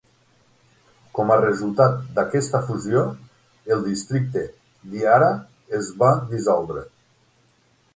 Com a resultat d'aquesta fusió, el districte d'Ihara es va dissoldre.